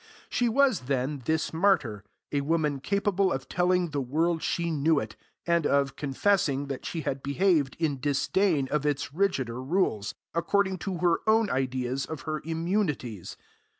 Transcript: She was, then, this martyr, a woman capable of telling the world she knew it, and of, confessing that she had behaved in disdain of its rigider rules, according to her own ideas of her immunities.